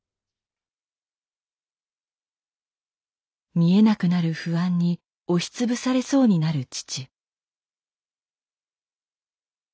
見えなくなる不安に押し潰されそうになる父。